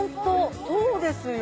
そうですよ。